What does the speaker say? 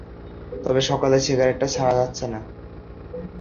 তবে সকালের সিগারেটটা ছাড়া যাচ্ছে না।